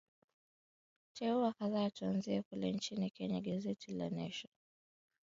teua kadhaa tuanzie kule nchini kenya gazeti la the nation